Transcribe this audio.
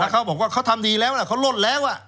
เขาบอกว่าเขาทำดีแล้วนะเขาลดแล้ว